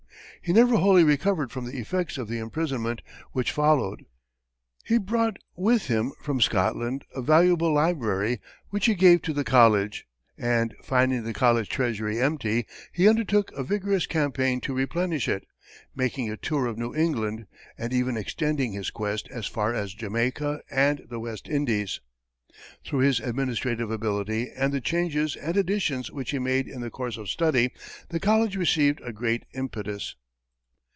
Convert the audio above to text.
He never wholly recovered from the effects of the imprisonment which followed. He brought with him from Scotland a valuable library which he gave to the college, and, finding the college treasury empty, he undertook a vigorous campaign to replenish it, making a tour of New England, and even extending his quest as far as Jamaica and the West Indies. Through his administrative ability and the changes and additions which he made in the course of study, the college received a great impetus.